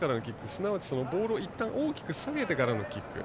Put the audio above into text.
すなわちボールをいったん大きく下げてからのキック。